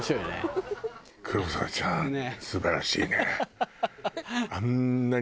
黒沢ちゃん素晴らしいね。